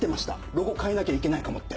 ロゴ変えなきゃいけないかもって。